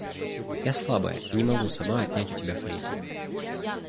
Я слабая и не могу сама отнять у тебя флейту.